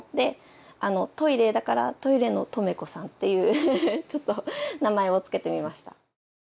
トイレだからトイレのとめこさんっていうちょっと名前を付けてみました。